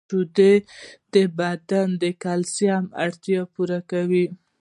• شیدې د بدن د کلسیم اړتیا پوره کوي.